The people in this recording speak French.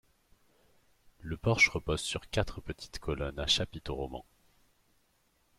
Le porche repose sur quatre petites colonnes à chapiteau roman.